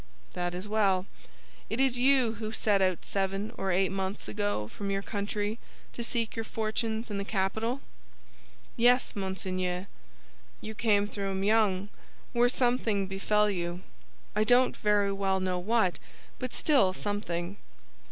"That is well. It is you who set out seven or eight months ago from your country to seek your fortune in the capital?" "Yes, monseigneur." "You came through Meung, where something befell you. I don't very well know what, but still something."